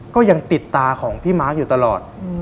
ก็ยังติดตาของพี่มาร์คอยู่ตลอด